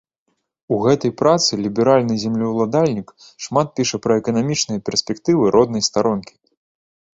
У гэтай працы ліберальны землеўладальнік шмат піша пра эканамічныя перспектывы роднай старонкі.